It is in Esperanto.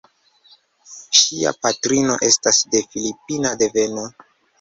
Ŝia patrino estas de filipina deveno.